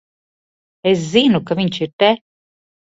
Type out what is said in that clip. Es zinu, ka viņš ir te.